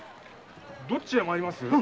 どっちへ参ります？